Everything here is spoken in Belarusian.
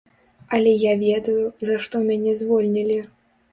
Але я ведаю, за што мяне звольнілі.